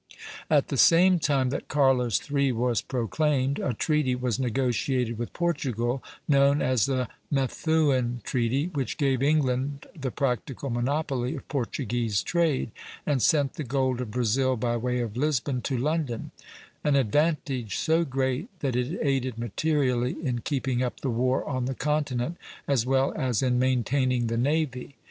At the same time that Carlos III. was proclaimed, a treaty was negotiated with Portugal, known as the Methuen Treaty, which gave England the practical monopoly of Portuguese trade, and sent the gold of Brazil by way of Lisbon to London, an advantage so great that it aided materially in keeping up the war on the continent as well as in maintaining the navy.